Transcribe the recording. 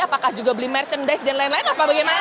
apakah juga beli merchandise dan lain lain apa bagaimana